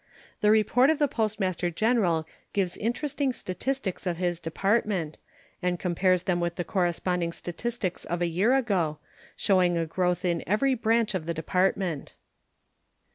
The report of the Postmaster General gives interesting statistics of his Department, and compares them with the corresponding statistics of a year ago, showing a growth in every branch of the Department.